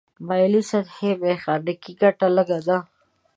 مایلې سطحې میخانیکي ګټه لږه ده.